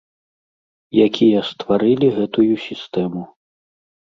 Якія стварылі гэтую сістэму.